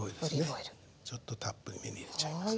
ちょっとたっぷりめに入れちゃいます。